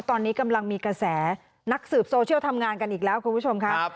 ตอนนี้กำลังมีกระแสนักสืบโซเชียลทำงานกันอีกแล้วคุณผู้ชมครับ